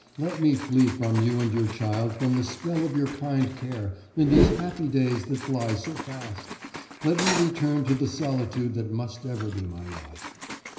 Let me flee from you and your child, from the spell of your kind care, and these happy days that fly so fast. Let me return to the solitude that must ever be my lot."